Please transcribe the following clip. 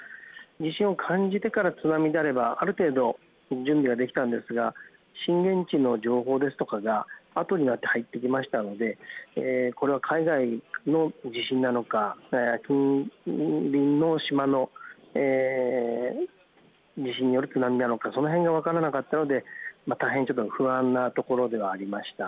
地震を感じてからの津波であればある程度、準備ができたんですが震源地の情報ですとかがあとになって入ってきましたのでこれは海外の地震なのか近隣の島の地震による津波なのかその辺が分からなかったので大変ちょっと不安なところではありました。